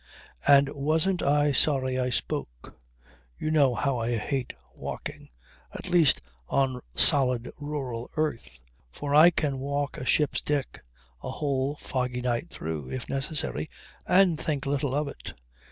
And wasn't I sorry I spoke! You know how I hate walking at least on solid, rural earth; for I can walk a ship's deck a whole foggy night through, if necessary, and think little of it.